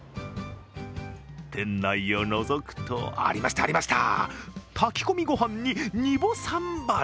店内をのぞくと、ありました、ありました、炊き込みごはんにニボサンバル。